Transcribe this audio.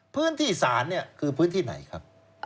พื้นที่ศาลเนี่ยคือพื้นที่ไหนครับ